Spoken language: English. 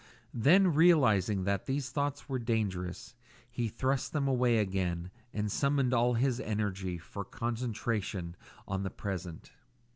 Then realising that these thoughts were dangerous, he thrust them away again and summoned all his energy for concentration on the present.